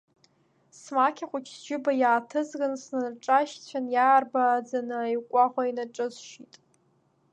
Смақьа хәыҷ сџьыба иааҭызган, снаҿажьцәан, иаарбааӡаны аикәаӷа инаҿысшьит.